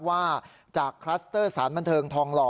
ว่าจากคลัสเตอร์สารบันเทิงทองหล่อ